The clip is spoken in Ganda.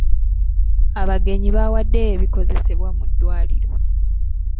Abagenyi baawaddeyo ebikozesebwa mu ddwaliro.